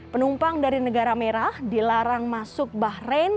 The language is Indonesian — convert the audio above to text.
penumpang dari negara merah dilarang masuk bahrain